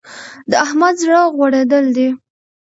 د احمد زړه غوړېدل دی.